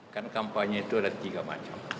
kan kampanye itu ada tiga macam